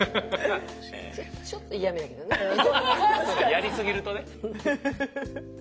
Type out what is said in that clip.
やりすぎるとね。